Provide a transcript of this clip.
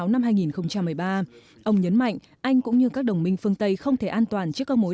năm hai nghìn một mươi ba ông nhấn mạnh anh cũng như các đồng minh phương tây không thể an toàn trước các mối